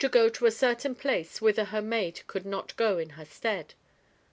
go to a certain place whither her maid could not go in her stead.